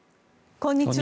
こんにちは。